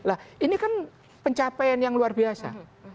nah ini kan pencapaian yang luar biasa